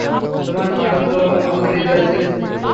তোমার ফটো তো আমার হৃদয়ে ছেপেছি।